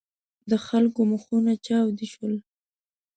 د خلکو مخونه چاودې شول.